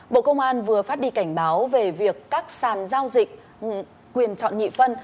bộ công an vừa phát đi cảnh báo về việc các sàn giao dịch quyền chọn nhị phân